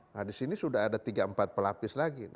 nah di sini sudah ada tiga empat pelapis lagi